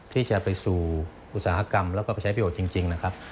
ที่จะไปสู่อุตสาหกรรมแล้วก็ไปใช้ประโยชน์จริงนะครับ